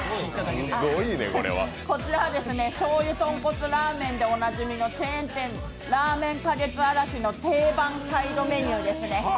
こちらはしょうゆ豚骨ラーメンでおなじみのチェーン店らあめん花月嵐の定番サイドメニューですね。